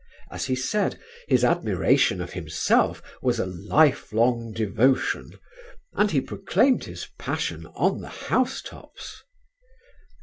As he said, his admiration of himself was "a lifelong devotion," and he proclaimed his passion on the housetops.